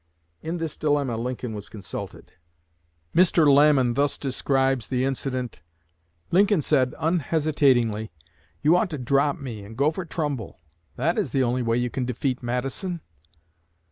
In this dilemma Lincoln was consulted. Mr. Lamon thus describes the incident: "Lincoln said, unhesitatingly, 'You ought to drop me and go for Trumbull; that is the only way you can defeat Matteson.'